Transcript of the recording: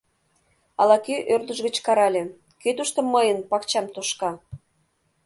Ала-кӧ ӧрдыж гыч карале: «Кӧ тушто мыйын пакчам тошка?